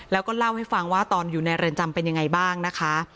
แล้วก็เล่าให้ฟังว่าตอนอยู่ในเรือนจำเป็นยังไงบ้างนะคะ